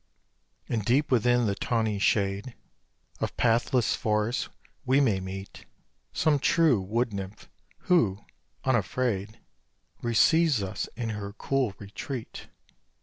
And deep within the tawny shade Of pathless forests we may meet Some true wood nymph, who, unafraid, Receives us in her cool retreat.